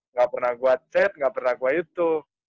nggak pernah gua chat nggak pernah gue itu